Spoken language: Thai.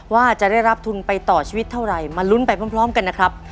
ว่าจะได้รับทุนไปต่อชีวิตเท่าไหร่มาลุ้นไปพร้อมกันนะครับ